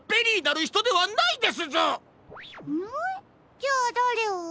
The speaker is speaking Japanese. じゃあだれを？